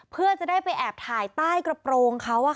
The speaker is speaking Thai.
เพื่อจะได้ไปแอบถ่ายใต้กระโปรงเขา